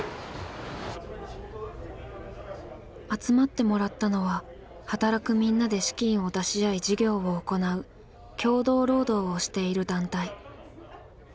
集まってもらったのは働くみんなで資金を出し合い事業を行う協同労働をしている団体。